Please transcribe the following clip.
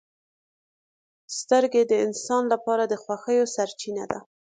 • سترګې د انسان لپاره د خوښیو سرچینه ده.